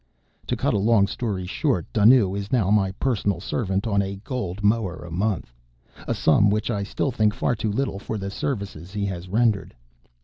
To cut a long story short, Dunnoo is now my personal servant on a gold mohur a month a sum which I still think far too little for the services he has rendered.